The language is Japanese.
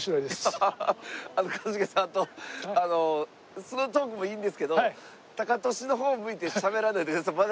一茂さんあのそのトークもいいんですけどタカトシの方を向いてしゃべらないでください。